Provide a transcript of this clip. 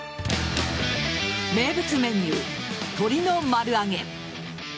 名物メニュー・鶏の丸揚げ。